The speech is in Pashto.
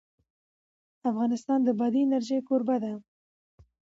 افغانستان د بادي انرژي کوربه دی.